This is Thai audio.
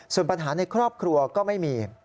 ส่วนปัญหาในครอบครัวก็ไม่มี